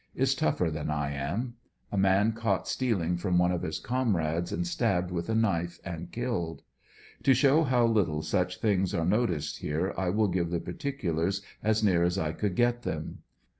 Is tougher than I am. A man caught stealing from one of his comrades and stabbed with a knife and killed. To show how little such things are noticed here I will give the particulars as near as I could get them.